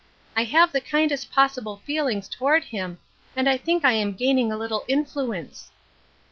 I have the kindest possible feelings toward him, and I think I am gaining a little influence."